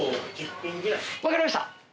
分かりました。